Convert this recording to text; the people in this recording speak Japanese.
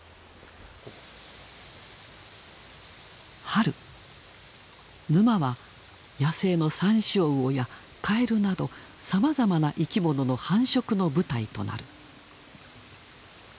春沼は野生のサンショウウオやカエルなどさまざまな生き物の繁殖の舞台となる。